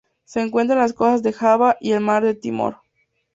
Se encuentra en las costas de Java y al Mar de Timor.